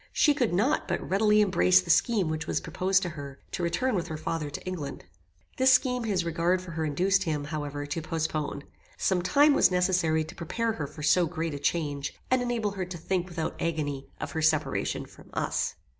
She could not but readily embrace the scheme which was proposed to her, to return with her father to England. This scheme his regard for her induced him, however, to postpone. Some time was necessary to prepare her for so great a change and enable her to think without agony of her separation from us.